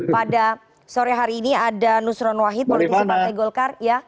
pada sore hari ini ada nusron wahid politisi partai golkar